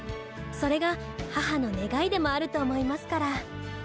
それが母の願いでもあると思いますから。